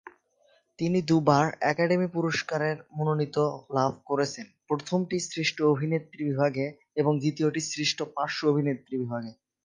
তিনি দুইবার একাডেমি পুরস্কারের মনোনয়ন লাভ করেছেন, প্রথমটি শ্রেষ্ঠ অভিনেত্রী বিভাগে এবং দ্বিতীয়টি শ্রেষ্ঠ পার্শ্ব অভিনেত্রী বিভাগে।